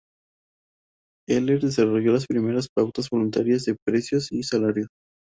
Heller desarrolló las primeras pautas "voluntarias" de precios y salarios.